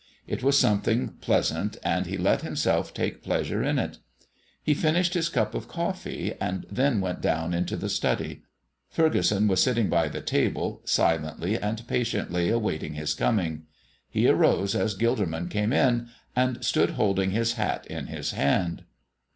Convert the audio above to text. It was something pleasant, and he let himself take pleasure in it. He finished his cup of coffee and then went down into the study. Furgeson was sitting by the table, silently and patiently awaiting his coming. He arose as Gilderman came in, and stood holding his hat in his hand.